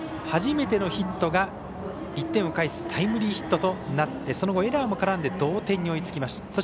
初めてのヒットが１点を返すタイムリーヒットとなってその後エラーも絡んで同点に追いつきました。